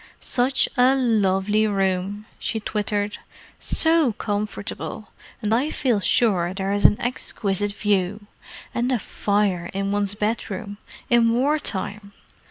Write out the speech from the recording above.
"Such a lovely room!" she twittered. "So comfortable. And I feel sure there is an exquisite view. And a fire in one's bedroom—in war time!